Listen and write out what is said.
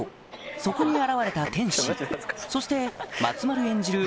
そこに現れた天使そして松丸演じる